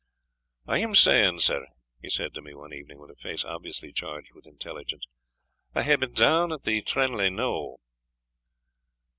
"I am saying, sir," he said to me one evening, with a face obviously charged with intelligence, "I hae been down at the Trinlay knowe."